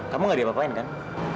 kamu gak diapain kan